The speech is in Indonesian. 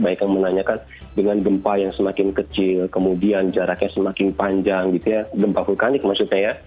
baik yang menanyakan dengan gempa yang semakin kecil kemudian jaraknya semakin panjang gitu ya gempa vulkanik maksudnya ya